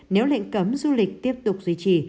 nếu lệnh cấm du lịch tiếp tục hủy dịch vụ